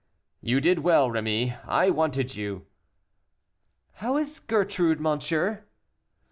"You did well, Rémy; I wanted you." "How is Gertrude, monsieur?"